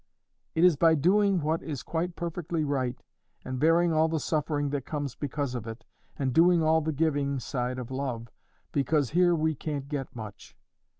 It is by doing what is quite perfectly right, and bearing all the suffering that comes because of it, and doing all the giving side of love, because here we can't get much.